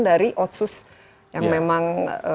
dari otsus yang memang